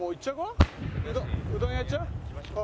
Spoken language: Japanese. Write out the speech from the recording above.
行きましょうか。